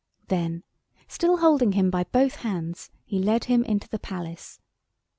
Then, still holding him by both hands, he led him into the Palace.